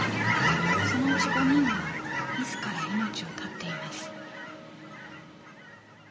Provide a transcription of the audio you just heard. そのうち５人は自ら命を絶っています。